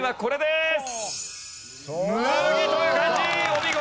お見事！